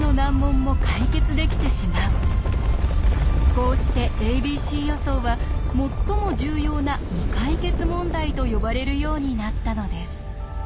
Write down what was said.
こうして「ａｂｃ予想」は最も重要な未解決問題と呼ばれるようになったのです。